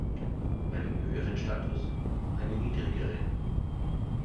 Einen höheren Status, einen niedrigeren?